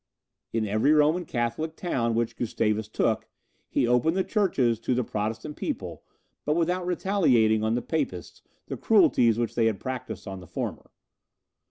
In every Roman Catholic town which Gustavus took, he opened the churches to the Protestant people, but without retaliating on the Papists the cruelties which they had practised on the former.